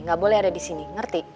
gak boleh ada disini ngerti